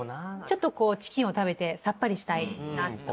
ちょっとチキンを食べてさっぱりしたいなと。